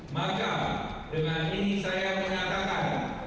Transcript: maka dengan ini saya menyatakan